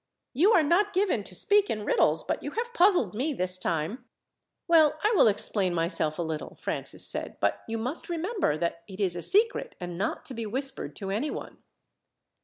You are not given to speak in riddles; but you have puzzled me this time." "Well, I will explain myself a little," Francis said; "but you must remember that it is a secret, and not to be whispered to anyone."